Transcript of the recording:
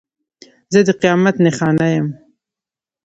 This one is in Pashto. زه د قیامت نښانه یم.